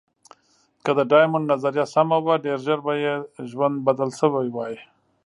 که د ډایمونډ نظریه سمه وه، ډېر ژر به یې ژوند بدل شوی وای.